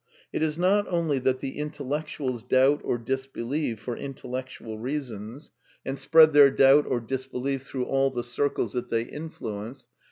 It is not only that the intellectuals doubt or disbelieve for intellectual reasons^ 822 A DEFENCE OF. IDEALISM and spread their doubt or disbelief through all the circles that they influence.